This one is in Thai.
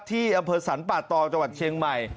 ที่อำเภอสรรป่าตองจังหวัดเชียงใหม่